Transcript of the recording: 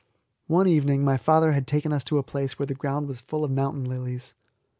One evening my father had taken us to a place where the ground was full of mountain lilies.